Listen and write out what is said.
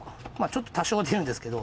ちょっと、多少は出るんですけど。